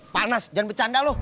panas jangan bercanda lo